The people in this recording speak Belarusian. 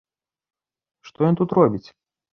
Што ён тут робіць?